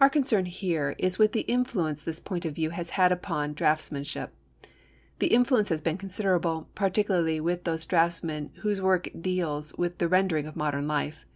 Our concern here is with the influence this point of view has had upon draughtsmanship. The influence has been considerable, particularly with those draughtsmen whose work deals with the rendering of modern life.